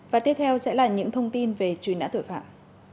và tiếp theo sẽ là những thông tin về chuyên án pháo nổ